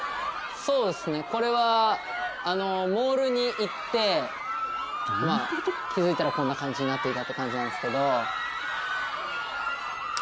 これはモールに行って気付いたらこんな感じになっていたって感じなんですけど。